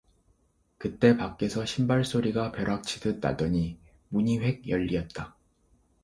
그때 밖에서 신발 소리가 벼락치듯 나더니 문이 홱 열리었다.